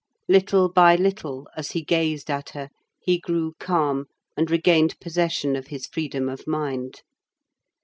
Little by little, as he gazed at her, he grew calm and regained possession of his freedom of mind.